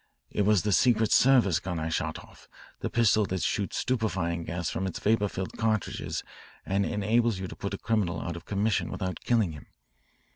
It was the Secret Service gun I shot off the pistol that shoots stupefying gas from its vapour filled cartridges and enables you to put a criminal out of commission without killing him.